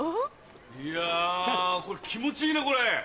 いやぁ気持ちいいなこれ。